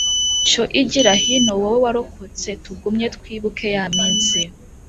Cyo igira hino wowe warokotse Tugumye twibuke ya minsi